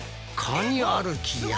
カニ歩きや。